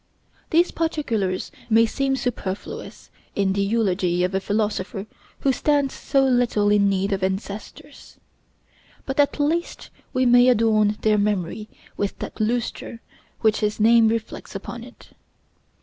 These particulars may seem superfluous in the eulogy of a philosopher who stands so little in need of ancestors; but at least we may adorn their memory with that lustre which his name reflects upon it.